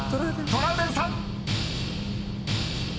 ［トラウデンさん］